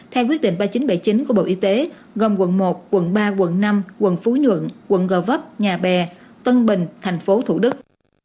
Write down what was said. theo quyết định ba nghìn chín trăm bảy mươi chín của bộ y tế gồm quận một quận ba quận năm quận phú nhuận quận gò vấp nhà bè tân bình thành phố thủ đức